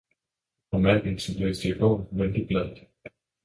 Og manden, som læste i bogen, vendte bladet.